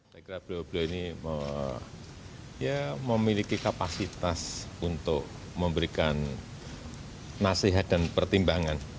saya kira beliau beliau ini memiliki kapasitas untuk memberikan nasihat dan pertimbangan